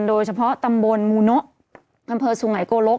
โดยเฉพาะตำบลมูโนะอำเภอสุไงโกลก